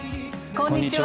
こんにちは。